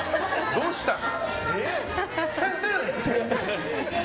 どうしたの？